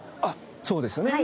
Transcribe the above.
そうですね。